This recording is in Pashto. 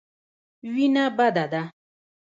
وېنه بده ده.